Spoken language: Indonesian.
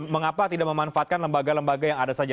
mengapa tidak memanfaatkan lembaga lembaga yang ada saja